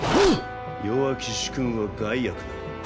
弱き主君は害悪なり。